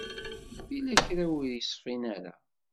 Yella kra ur yeṣfin ara.